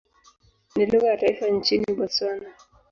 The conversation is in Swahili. Ni lugha ya taifa nchini Botswana.